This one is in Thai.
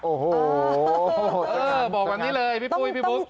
โอ้โหบอกวันนี้เลยพี่ปุ๊ก